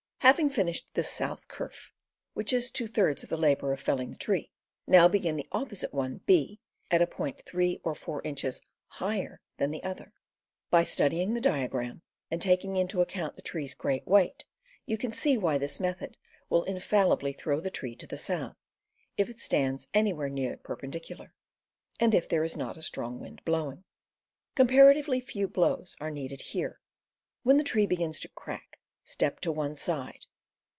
Having finished this south kerf (which is two thirds the labor of felling the tree), now begin the opposite one, B, at a point three or four inches higher than the other. By studying the diagram, and taking into account the tree's great weight, you can see why this method will infallibly throw the tree to the south, if it stands anywhere near perpendicular, and if there is not a strong wind blowing. Comparatively few blows are needed here. When the tree begins to crack, step to one side.